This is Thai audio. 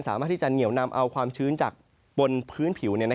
สามารถที่จะเหนียวนำเอาความชื้นจากบนพื้นผิว